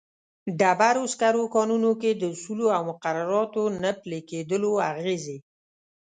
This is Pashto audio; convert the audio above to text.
ډبرو سکرو کانونو کې د اصولو او مقرراتو نه پلي کېدلو اغېزې.